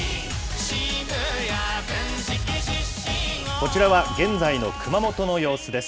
こちらは、現在の熊本の様子です。